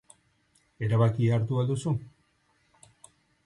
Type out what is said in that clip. Erabakia hartu al duzu?